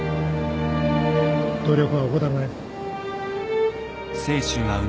努力は怠るなよ。